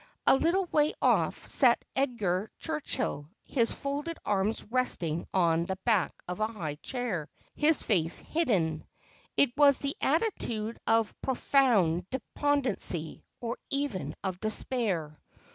A little way off sat Edgar Turchill, his folded arms resting on the back of a high chair, his face hidden. It was the attitude of profound despondency, or even of despair.